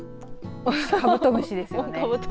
カブトムシですよね。